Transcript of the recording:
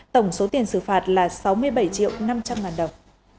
tổng số tiền xử phạt là sáu mươi bảy triệu năm trăm linh ngàn đồng